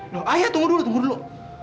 lho ayah tunggu dulu tunggu dulu